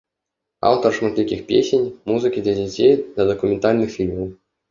Аўтар шматлікіх песень, музыкі для дзяцей, да дакументальных фільмаў.